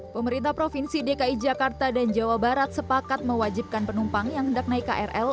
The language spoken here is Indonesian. pemerintah provinsi dki jakarta dan jawa barat sepakat mewajibkan penumpang yang hendak naik krl